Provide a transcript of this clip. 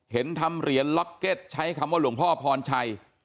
เห็นทำเหรียญล็อกเก็ตใช้คำว่าหลวงพ่อพรชัย